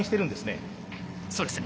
そうですね。